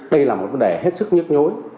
đây là một vấn đề hết sức nhức nhối